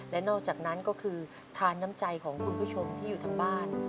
และนอกจากนั้นก็คือทานน้ำใจของคุณผู้ชมที่อยู่ทางบ้าน